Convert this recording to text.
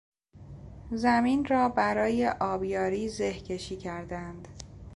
زمین را برای آبیاری زهکشی کردهاند.